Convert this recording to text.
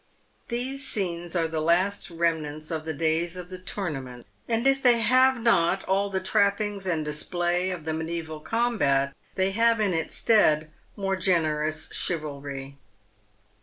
These scenes are the last remnants of the days of the tournament, and if they have not all the trappings and display of the mediaeval combat, they have in its stead more generous chivalry.